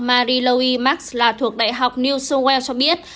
marie louis marx là thuộc đại học new south wales cho biết